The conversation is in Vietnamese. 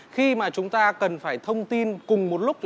khi mà chúng ta cần phải thông tin cùng một lúc